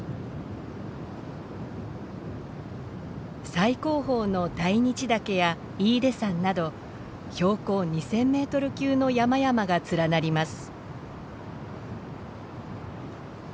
最高峰の大日岳や飯豊山など標高２，０００メートル級の山々が連なります。